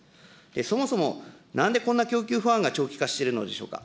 そもそもなんでこんな供給不安が長期化しているのでしょうか。